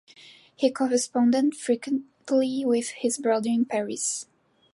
He corresponded frequently with his brother in Paris.